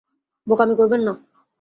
বোকামি করবেন না।